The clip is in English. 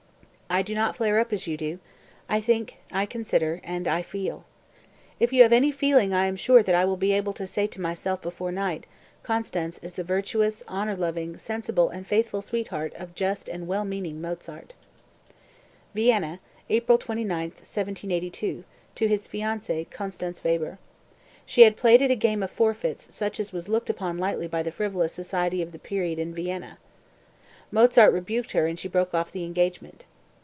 I do not flare up as you do; I think, I consider, and I feel. If you have any feeling I am sure that I will be able to say to myself before night: Constanze is the virtuous, honor loving, sensible and faithful sweetheart of just and well meaning Mozart." (Vienna, April 29, 1782, to his fiancee, Constanze Weber. She had played at a game of forfeits such as was looked upon lightly by the frivolous society of the period in Vienna. Mozart rebuked her and she broke off the engagement.